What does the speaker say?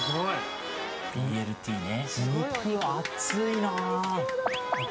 ＢＬＴね。